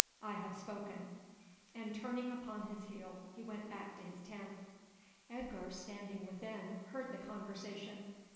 I have spoken;" and turning upon his heel he went back to his tent. Edgar, standing within, heard the conversation.